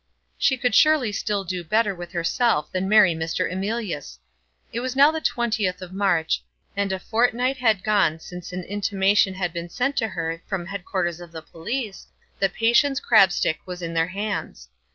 She could surely still do better with herself than marry Mr. Emilius! It was now the twentieth of March, and a fortnight had gone since an intimation had been sent to her from the headquarters of the police that Patience Crabstick was in their hands.